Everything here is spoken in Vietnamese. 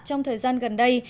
trong thời gian gần đây